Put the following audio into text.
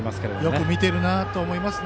よく見ているなと思います。